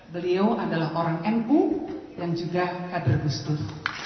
beliau adalah orang nu dan juga kader gusdur